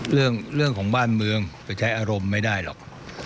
เรื่องของบ้านเมืองไปใช้อารมณ์ไม่ได้หรอก